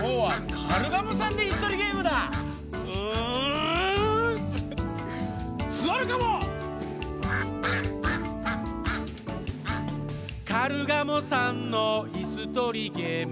「カルガモさんのいすとりゲーム」